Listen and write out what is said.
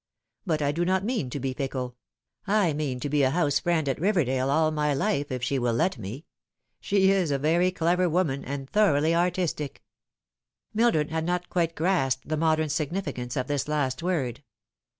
But I do not mean to be fickle ; I mean to be a house friend at Biverdale all my life if she will let me. She is a very clever woman., and thoroughly artistic." The Fatal Three. Mildred had not quite grasped the modern significance of this last word.